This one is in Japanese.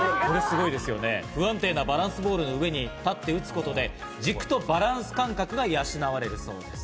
不安定なバランスボールの上に立って打つことで軸とバランス感覚が養われるそうです。